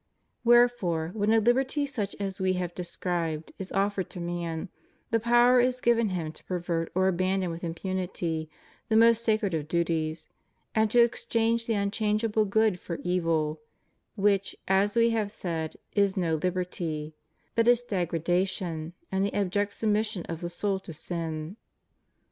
Wherefore, when a liberty such as We have described is offered to man, the power is given him to pervert or abandon with impunity the most sacred of duties, and to exchange the unchangeable good for evil; which, as We have said, is no liberty, but its degradation, and the abject submission of the soul to sin.